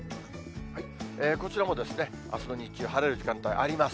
こちらもあすの日中、晴れる時間帯あります。